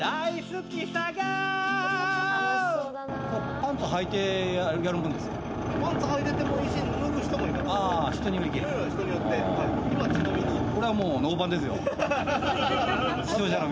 パンツはいてやるものですか？